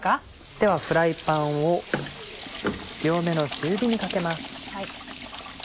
ではフライパンを強めの中火にかけます。